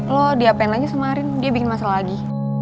lo diapain aja semarin dia bikin masalah lagi